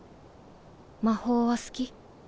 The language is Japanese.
魔法は好き？